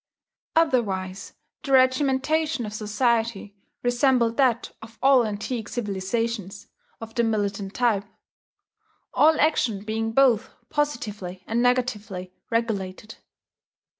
Otherwise the regimentation of society resembled that of all antique civilizations of the militant type, all action being both positively and negatively regulated.